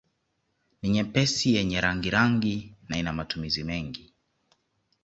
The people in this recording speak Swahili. Ni nyepesi yenye rangirangi na ina matumizi mengi